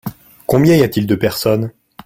Combien y a-t-il de personnes ?